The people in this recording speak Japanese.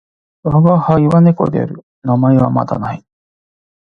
わがはいは猫である。名前はまだ無い。